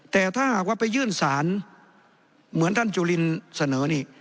แต่ถ้าหากว่าไปยื่นศาลเหมือนท่านจุลินเสนอนี่